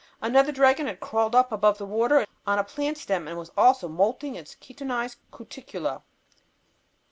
Another dragon had crawled up above the water on a plant stem and was also "moulting its chitinized cuticula."